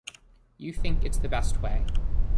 You think it's the best way